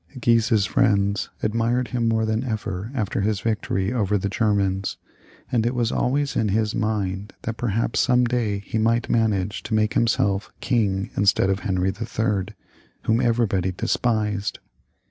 Guise's friends admired him more than ever after his victory over the Germans, and it was always in his mipd that perhaps some day he might manage to make himseK king instead of Henry III., whom everybody despised.